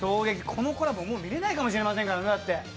このコラボ、もう見れないかもしれませんからね。